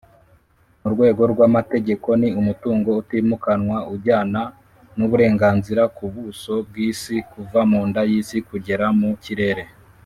Mu rwego rw’amategeko ni umutungo utimukanwa ujyana n’uburenganzira ku buso bw’isi kuva munda y’isi kugera mu kirere